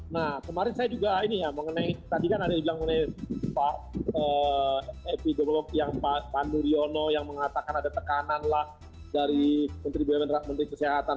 nah kemarin saya juga mengenai tadi kan ada yang bilang mengenai pak pandu riono yang mengatakan ada tekanan lah dari menteri bumil dan menteri kesehatan